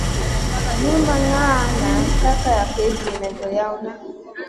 Nul ma nʼga nʼa Kay kalaf her ziida vii lawna.